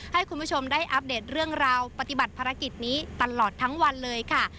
ให้คุณผู้ชมได้อัปเดตเรื่องราวปฏิบัติภารกิจนี้ตลอดทั้งวันเลยค่ะ